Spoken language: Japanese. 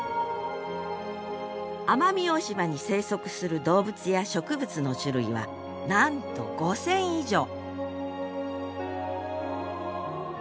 奄美大島に生息する動物や植物の種類はなんと５，０００以上！